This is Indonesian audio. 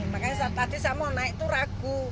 makanya tadi saya mau naik itu ragu